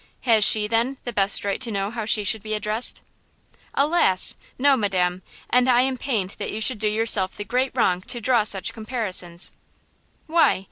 Has she, then, the best right to know how she should be addressed?" "Alas! no, Madam, and I am pained that you should do yourself the great wrong to draw such comparisons." "Why?